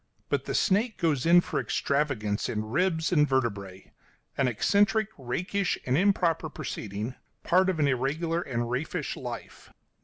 But the snake goes in for extravagance in ribs and vertebræ; an eccentric, rakish, and improper proceeding; part of an irregular and raffish life.